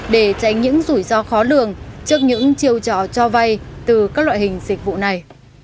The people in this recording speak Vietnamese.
để tránh những rủi ro khó lường trước những chiêu trò cho vay từ các loại hình dịch vụ này